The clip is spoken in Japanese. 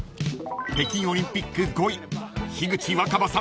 ［北京オリンピック５位樋口新葉さん］